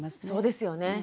そうですよね。